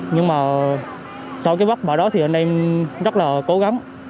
nhưng mà sau cái vất vả đó thì anh em rất là cố gắng